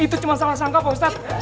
itu cuma salah sangka kok ustadz